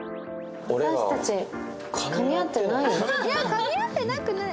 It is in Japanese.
かみ合ってなくない。